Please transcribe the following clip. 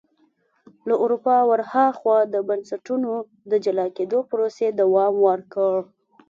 له اروپا ور هاخوا د بنسټونو د جلا کېدو پروسې دوام ورکړ.